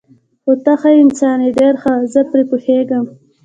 خو ته ښه انسان یې، ډېر ښه، زه پرې پوهېږم.